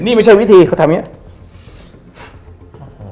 นี่ไม่ใช่วิธีเขาทำอย่างนี้